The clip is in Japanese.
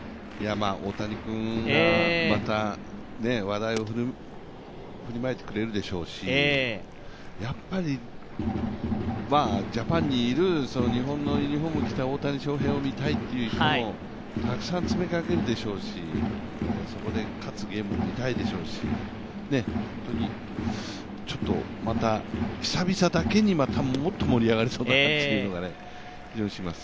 大谷君がまた話題を振りまいてくれるでしょうし、やっぱりジャパンにいる日本のユニフォームを着た大谷翔平を見たいっていう人もたくさん詰めかけるでしょうしそこで勝つゲームを見たいでしょうし本当にまた久々だけに、もっと盛り上がりそうな感じが非常にします。